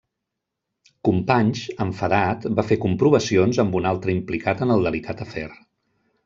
Companys, enfadat, va fer comprovacions amb un altre implicat en el delicat afer.